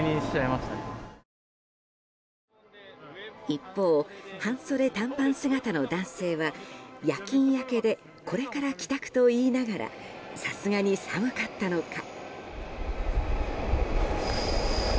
一方、半袖短パン姿の男性は夜勤明けでこれから帰宅と言いながらさすがに寒かったのか。